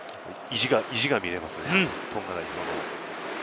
意地が見えますね、トンガ代表の。